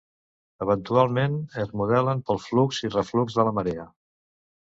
Eventualment es modelen pel flux i reflux de la marea.